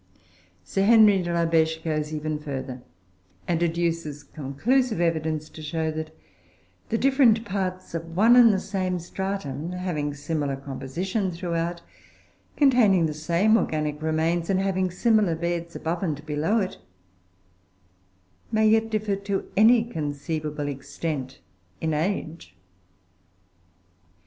Sir Henry De La Beche goes even further, and adduces conclusive evidence to show that the different parts of one and the same stratum, having a similar composition throughout, containing the same organic remains, and having similar beds above and below it, may yet differ to any conceivable extent in age.